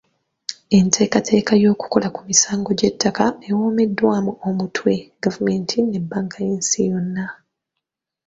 Enteekateeka y'okukola ku misango gy'ettaka ewomeddwamu omutwe gavumenti ne bbanka y’ensi yonna.